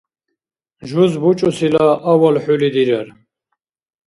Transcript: Жуз бучӀусила авал хӀули дирар.